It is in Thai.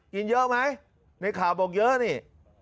กินเยอะไหมในข่าวบอกเยอะนี่